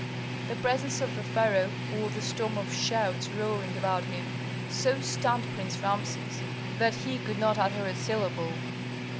The presence of the pharaoh, or the storm of shouts roaring about him, so stunned Prince Rameses that he could not utter a syllable.